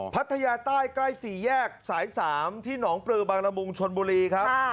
พัทยาใต้ใกล้๔แยกสาย๓ที่หนองปลือบางละมุงชนบุรีครับ